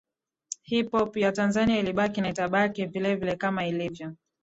Hip Hop ya Tanzania ilibaki na itabaki vile vile kama ilivyo